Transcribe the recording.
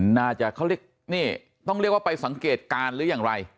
น่าจะเขาเรียกนี่ต้องเรียกว่าไปสังเกตการณ์หรืออย่างไร